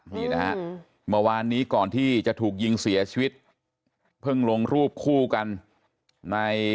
นี่นะฮะเมื่อวานนี้ก่อนที่จะถูกยิงเสียชีวิตเพิ่งลงรูปคู่กันใน